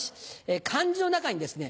漢字の中にですね